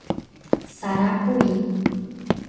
Sarapuí